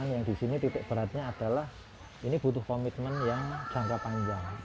yang di sini titik beratnya adalah ini butuh komitmen yang jangka panjang